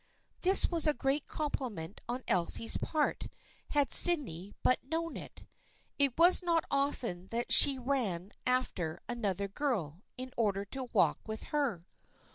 This was a great compliment on Elsie's part had Sydney but known it. It was not often that she ran after another girl in order to walk with her.